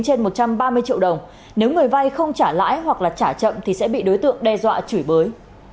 trên một trăm ba mươi triệu đồng nếu người vay không trả lãi hoặc là trả chậm thì sẽ bị đối tượng đe dọa chửi bới